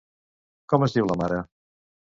Com es diu la mare?